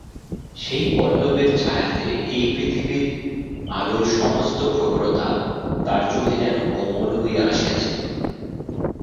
সেই পল্লবের ছায়াতে এই পৃথিবীর অলোর সমস্ত প্রখরতা তার চোখে যেন কোমল হইয়া আসিয়াছিল।